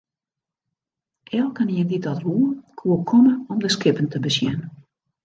Elkenien dy't dat woe, koe komme om de skippen te besjen.